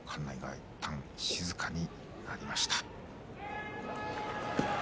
いったん静かになりました。